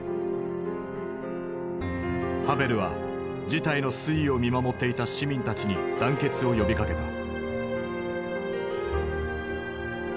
ハヴェルは事態の推移を見守っていた市民たちに団結を呼びかけた。